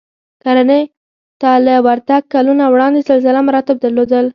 کرنې ته له ورتګ کلونه وړاندې سلسله مراتب درلودل